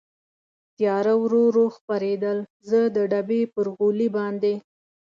تېاره ورو ورو خپرېدل، زه د ډبې پر غولي باندې.